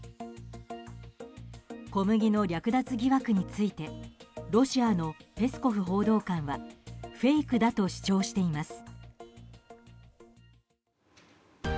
小麦の略奪疑惑についてロシアのペスコフ報道官はフェイクだと主張しています。